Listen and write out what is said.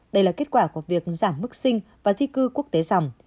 đây là kết quả của việc giảm mức sinh và di cư quốc tế dòng